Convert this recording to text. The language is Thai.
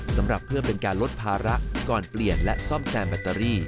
สำหรับเพื่อเป็นการลดภาระก่อนเปลี่ยนและซ่อมแซมแบตเตอรี่